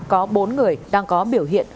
có bốn người đang có biểu hiện